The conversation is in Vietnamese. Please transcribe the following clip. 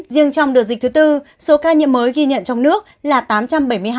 riêng trong đợt dịch thứ tư số ca nhiễm mới ghi nhận trong nước là tám trăm bảy mươi hai tám trăm một mươi một ca